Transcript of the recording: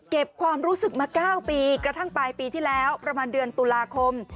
ความรู้สึกมา๙ปีกระทั่งปลายปีที่แล้วประมาณเดือนตุลาคม